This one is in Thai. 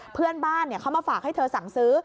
เพื่อนบ้านเขามาฝากให้เธอสั่งซื้อ